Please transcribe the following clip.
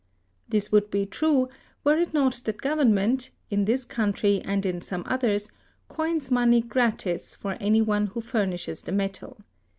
This would be true, were it not that Government, in this country and in some others, coins money gratis for any one who furnishes the metal.